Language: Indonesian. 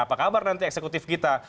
apa kabar nanti eksekutif kita